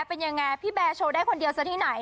เป็นยังไงพี่แบร์โชว์ได้คนเดียวซะที่ไหน